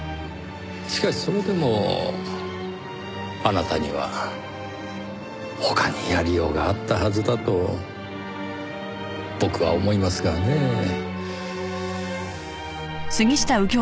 しかしそれでもあなたには他にやりようがあったはずだと僕は思いますがねぇ。